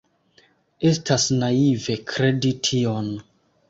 Estas naive kredi tion.